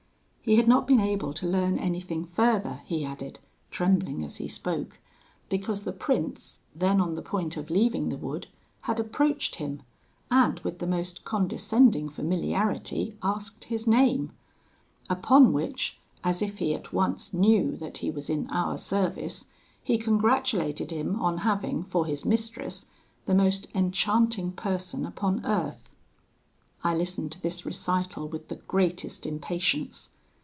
He had not been able to learn anything further, he added, trembling as he spoke, because the prince, then on the point of leaving the wood, had approached him, and with the most condescending familiarity asked his name; upon which, as if he at once knew that he was in our service, he congratulated him on having, for his mistress, the most enchanting person upon earth. "I listened to this recital with the greatest impatience.